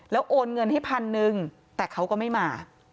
โอนเงินให้พันหนึ่งแต่เขาก็ไม่มา